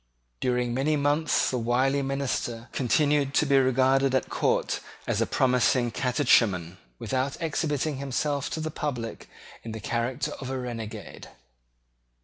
During many months the wily minister continued to be regarded at court as a promising catechumen, without exhibiting himself to the public in the character of a renegade.